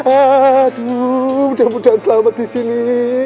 aduh mudah mudahan selamat di sini